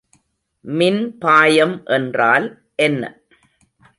மின்பாயம் என்றால் என்ன?